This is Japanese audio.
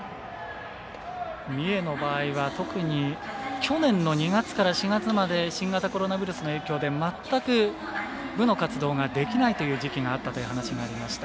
三重の場合は特に去年の２月から４月まで新型コロナウイルスの影響で全く部の活動ができないという時期があったという話がありました。